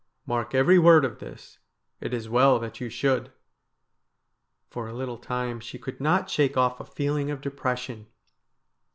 Mark every word of this. It is well that you should.'" ' For a little time she could not shake off a feeling of de pression.